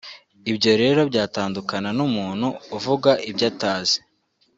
ibyo rero byatandukana n’umuntu uvuga ibyo atazi